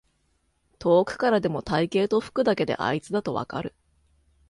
遠くからでも体型と服だけであいつだとわかる